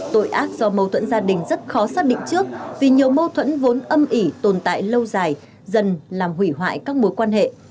tội ác do mâu thuẫn gia đình rất khó xác định trước vì nhiều mâu thuẫn vốn âm ỉ tồn tại lâu dài dần làm hủy hoại các mối quan hệ